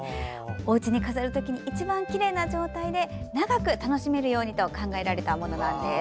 おうちに飾るときに一番きれいな状態で長く楽しめるように考えられたものなんです。